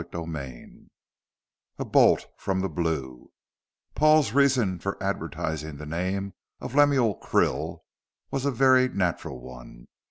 CHAPTER X A BOLT FROM THE BLUE Paul's reason for advertising the name of Lemuel Krill was a very natural one.